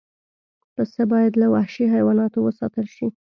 پسه باید له وحشي حیواناتو وساتل شي.